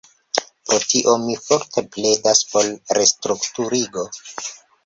Pro tio mi forte pledas por restrukturigo.